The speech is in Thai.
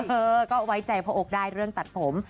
เออก็ไว้ใจพ่ออกได้เรื่องตัดผม